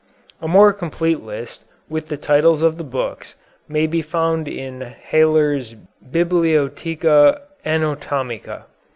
A more complete list, with the titles of the books, may be found in Haller's "Bibliotheca Anatomica."